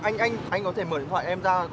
anh anh có thể mở điện thoại em ra